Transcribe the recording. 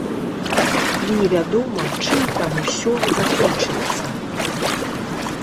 І невядома, чым там усё закончыцца.